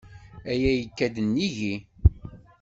Aya yekka-d nnig-i.